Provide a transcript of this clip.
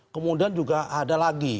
kemudian juga ada lagi